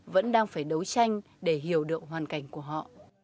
vẫn đang phải đấu tranh để hiểu được hoàn cảnh của họ